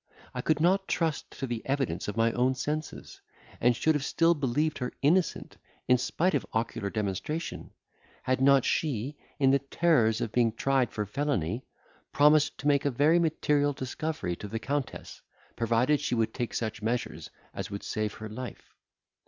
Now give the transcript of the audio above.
I could not trust to the evidence of my own senses, and should have still believed her innocent, in spite of ocular demonstration, had not she, in the terrors of being tried for felony, promised to make a very material discovery to the Countess, provided she would take such measures as would save her life.